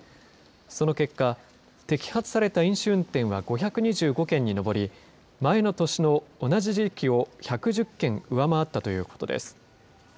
その結果、摘発された飲酒運転は５２５件に上り、前の年の同じ時期を１１０件上回ったということです。